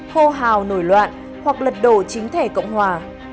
hô hào nổi loạn hoặc lật đổ chính thể cộng hòa